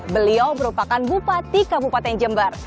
beliau merupakan bupati kabupaten jember